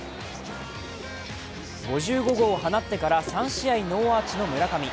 ５５号を放ってから３試合ノーアーチの村上。